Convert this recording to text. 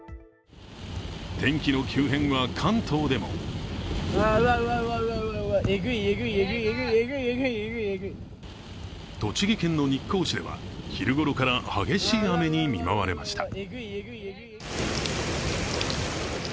天気の急変は関東でも栃木県の日光市では昼ごろから激しい雨に見舞われました。